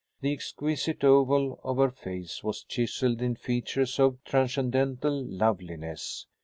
The exquisite oval of her face was chiseled in features of transcendent loveliness.